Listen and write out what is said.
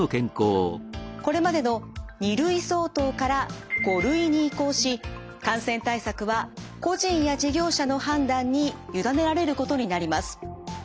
これまでの２類相当から５類に移行し感染対策は個人や事業者の判断に委ねられることになります。